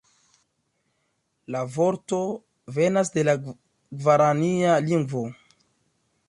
La vorto venas de la gvarania lingvo.